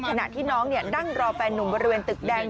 ขณะที่น้องนั่งรอแฟนนุ่มบริเวณตึกแดง